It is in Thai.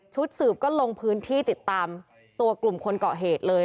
สืบก็ลงพื้นที่ติดตามตัวกลุ่มคนเกาะเหตุเลย